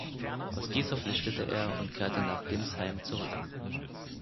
Aus dieser flüchtete er und kehrte nach Gimbsheim zurück.